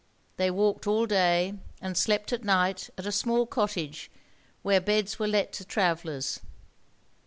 They walked all day, and slept at night at a small cottage where beds were let to travellers.